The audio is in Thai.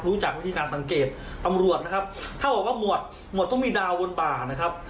จากวิธีการสังเกตตำรวจนะครับเท่ากับว่าหมวดหมวดต้องมีดาวบนป่านะครับ